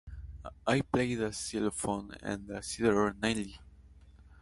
I play the xylophone and the zither nightly.